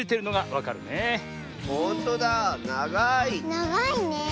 ながいねえ。